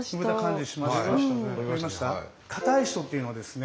硬い人っていうのはですね